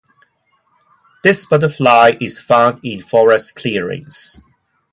This butterfly is found in forest clearings.